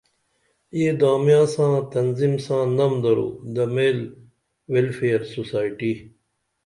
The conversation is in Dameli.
یہ دامیاں ساں تنظِم ساں نم درو دمیل ویلفئیر سوسائٹی